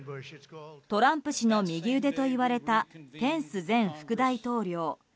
トランプ氏の右腕といわれたペンス前副大統領。